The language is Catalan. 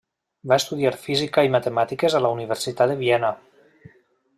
Va estudiar física i matemàtiques a la Universitat de Viena.